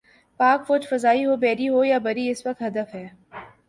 پاک فوج فضائی ہو، بحری ہو یا بری، اس وقت ہدف ہے۔